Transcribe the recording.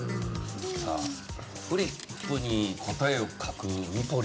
フリップに答えを書くミポリン